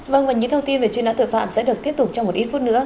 vâng và những thông tin về truy nã tội phạm sẽ được tiếp tục trong một ít phút nữa